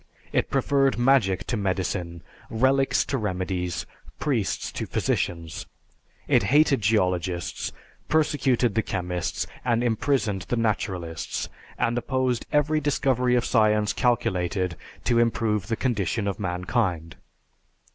It preferred magic to medicine, relics to remedies, priests to physicians. It hated geologists, persecuted the chemists, and imprisoned the naturalists, and opposed every discovery of science calculated to improve the condition of mankind.